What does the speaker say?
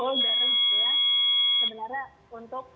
sebenarnya untuk untuk lagi lagi untuk menggagalkan